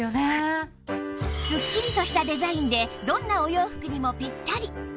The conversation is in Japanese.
すっきりとしたデザインでどんなお洋服にもぴったり！